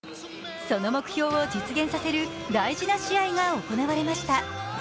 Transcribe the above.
その目標を実現させる大事な試合が行われました。